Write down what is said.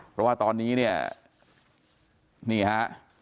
เพราะว่าตอนนี้เนี่ยนี่ฮะ